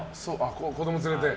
子供を連れて？